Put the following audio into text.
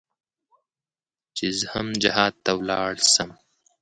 چې زه هم جهاد ته ولاړ سم.